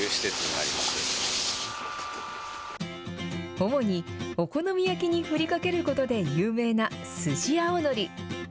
主にお好み焼きに振りかけることで有名なスジアオノリ。